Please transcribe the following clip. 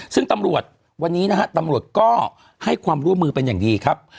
ซึ่งตำรวจวันนี้นะฮะตำรวจก็ให้ความร่วมมือเป็นอย่างดีครับ